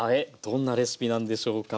どんなレシピなんでしょうか。